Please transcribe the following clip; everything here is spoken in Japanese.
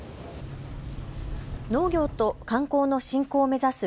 農業と観光の振興目指す